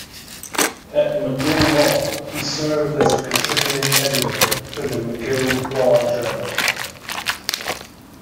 At McGill law he served as a contributing editor for the "McGill Law Journal".